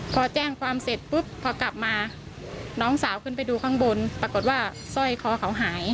พอแจ้งความเสร็จปุ๊บพอกลับมาน้องสาวขึ้นไปดูข้างบนปรากฏว่าสร้อยคอเขาหาย